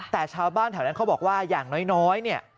แต่ชาวบ้านแถวนั้นเขาบอกว่าอย่างน้อยเนี่ย